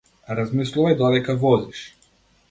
Размислувај додека возиш.